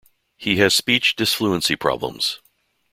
He has speech disfluency problems.